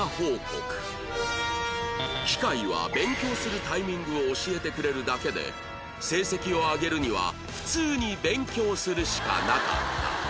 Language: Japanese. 機械は勉強するタイミングを教えてくれるだけで成績を上げるには普通に勉強するしかなかった